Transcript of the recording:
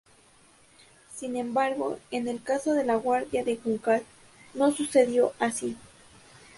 Sin embargo, en el caso de la Guardia de Juncal no sucedió así.